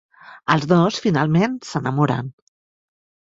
Els dos finalment s'enamoren.